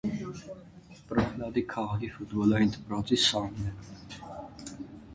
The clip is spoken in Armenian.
Պրոխլադնի քաղաքի ֆուտբոլիային դպրոցի սան է։